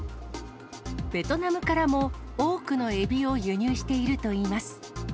ベトナムからも多くのエビを輸入しているといいます。